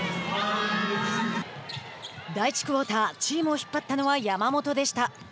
第１クオーターチームを引っ張ったのは山本でした。